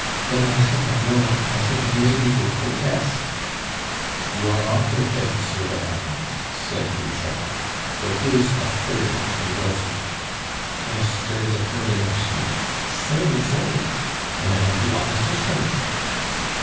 "Ven I should hafe known I should hafe made you to protest " "You are off your head, Monsieur le Baron," said Louchard; "there is a third endorsement." "Yes, dere is a tird endorsement Cerizet! A man of de opposition."